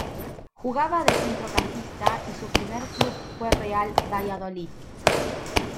Jugaba de centrocampista y su primer club fue Real Valladolid.